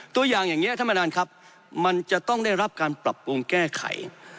ตัวอย่างอย่างนี้ท่านประธานครับมันจะต้องได้รับการปรับปรุงแก้ไข